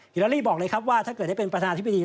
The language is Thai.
ฮิลาลีบอกเลยครับว่าถ้าเกิดได้เป็นประสบการณ์ที่พิธี